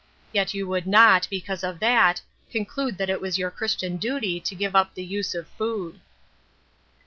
Yet you would not, because of that, conclude that it was your Christian duty to give up the use of food."